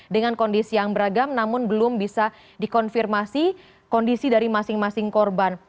dengan kondisi yang beragam namun belum bisa dikonfirmasi kondisi dari masing masing korban